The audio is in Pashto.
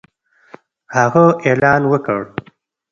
هغه اعلان وکړ